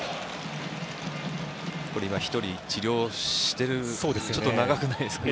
１人、治療しててちょっと長くないですか。